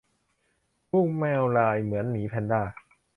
ลูกแมวลายเหมือนหมีแพนด้า